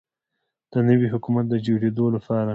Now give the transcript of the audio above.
د نوي حکومت د جوړیدو لپاره